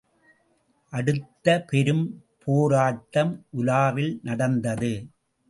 அடுத்த பெரும்போராட்டம் ஊலாவில் நடந்தது.